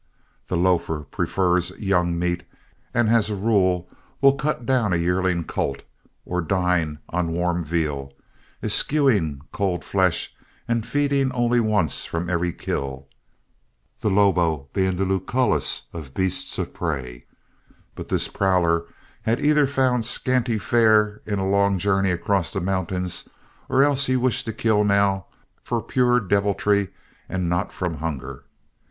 The lofer prefers young meat and as a rule will cut down a yearling colt, or dine on warm veal, eschewing cold flesh and feeding only once from every kill the lobo being the Lucullus of beasts of prey but this prowler had either found scanty fare in a long journey across the mountains or else he wished to kill now for pure deviltry and not from hunger.